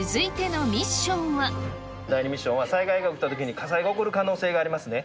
第２ミッションは、災害が起きたときに火災が起こる可能性がありますね。